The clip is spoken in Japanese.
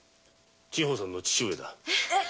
千保さんの父上だ。